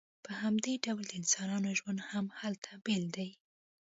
په همدې ډول د انسانانو ژوند هم هلته بیل دی